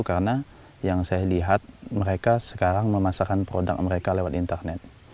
karena yang saya lihat mereka sekarang memasarkan produk mereka lewat internet